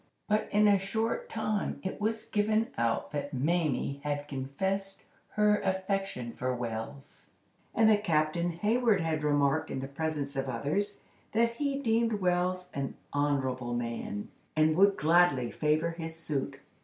But in a short time it was given out that Mamie had confessed her affection for Wells, and that Captain Hayward had remarked in the presence of others, that he deemed Wells an honorable man, and would gladly favor his suit.